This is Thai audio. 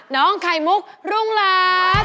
น้องไข่มุกรุงรัก